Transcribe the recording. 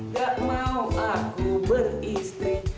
gak mau aku beristri